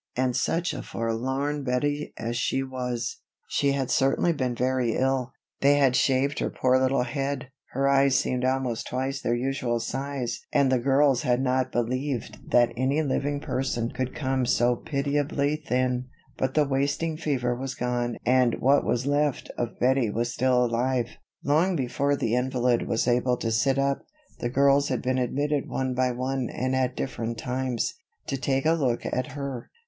And such a forlorn Bettie as she was! She had certainly been very ill. They had shaved her poor little head, her eyes seemed almost twice their usual size and the girls had not believed that any living person could become so pitiably thin; but the wasting fever was gone and what was left of Bettie was still alive. Long before the invalid was able to sit up, the girls had been admitted one by one and at different times, to take a look at her.